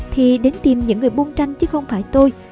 thì đến tìm những người buông tranh chứ không phải tôi